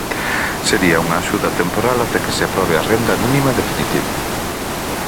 Sería unha axuda temporal ata que se aprobe a renda mínima definitiva.